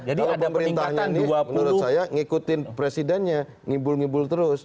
kalau pemerintahnya menurut saya ngikutin presidennya ngibul ngibul terus